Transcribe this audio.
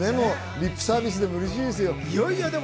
リップサービスでも嬉しいです。